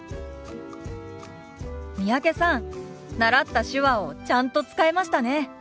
三宅さん習った手話をちゃんと使えましたね。